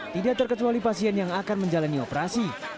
tidak terkecuali pasien yang akan menjalani operasi